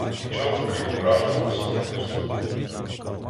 Нічого, крім ображеного самолюбства.